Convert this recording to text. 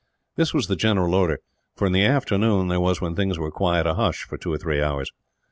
This was the general order, for in the afternoon there was, when things were quiet, a hush for two or three hours.